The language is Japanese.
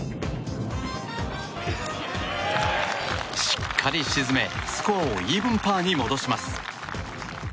しっかり沈め、スコアをイーブンパーに戻します。